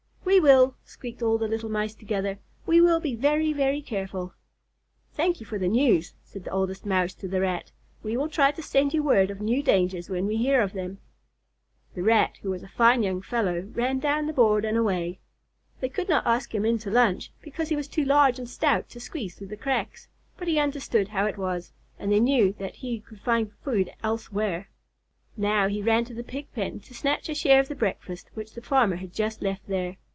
"We will," squeaked all the little Mice together. "We will be very, very careful." "Thank you for the news," said the Oldest Mouse to the Rat. "We will try to send you word of new dangers when we hear of them." The Rat, who was a fine young fellow, ran down the board and away. They could not ask him in to lunch, because he was too large and stout to squeeze through the cracks, but he understood how it was, and knew that he could find food elsewhere. Now he ran to the Pig pen to snatch a share of the breakfast which the farmer had just left there.